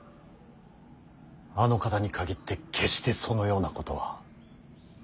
あの方に限って決してそのようなことは。